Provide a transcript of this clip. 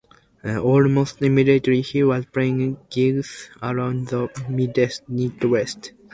Almost immediately he was playing gigs around the midwest.